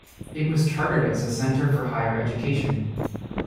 It was chartered as a center for higher education.